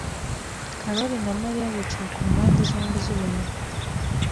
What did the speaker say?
Karoli na Mariya bicaye ku mpande zombi z'uburiri.